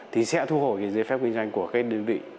thì sẽ thu hồi dưới phép kinh doanh của các đơn vị